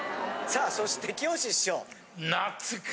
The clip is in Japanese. さあそしてきよし師匠。